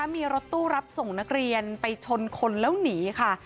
มีรถตู้รับส่งนักเรียนไปชนคนแล้วหนีค่ะ